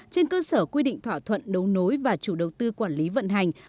trên cơ sở quy định thỏa thuận đấu nối và chủ đầu tư quản lý vận hành